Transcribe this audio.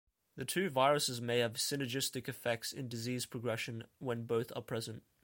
The two viruses may have synergistic effects in disease progression when both are present.